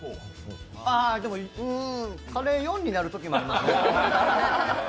あでも、カレー４になるときもあります。